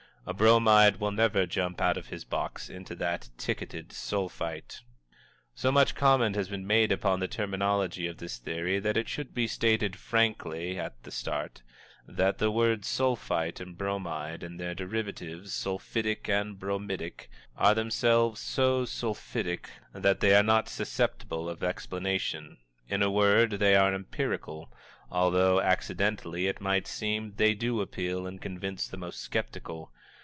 A Bromide will never jump out of his box into that ticketed "Sulphite." So much comment has been made upon the terminology of this theory that it should be stated frankly, at the start, that the words Sulphite and Bromide, and their derivatives, sulphitic and bromidic, are themselves so sulphitic that they are not susceptible of explanation. In a word, they are empirical, although, accidentally it might seem, they do appeal and convince the most skeptical.